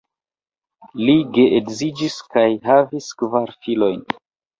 Li geedziĝis kaj havis kvar filojn.